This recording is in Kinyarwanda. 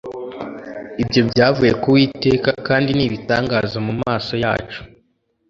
Ibyo byavuye ku uwiteka, kandi ni ibitangazamumaso yacu